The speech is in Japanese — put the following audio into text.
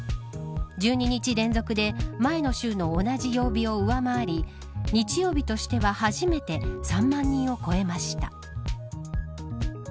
１２日連続で前の週の同じ曜日を上回り日曜日としては初めて３万人を超えました。